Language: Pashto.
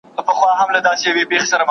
د ارغنداب سیند پر غاړه میوې ښه وده کوي.